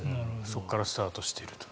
そこからスタートしていると。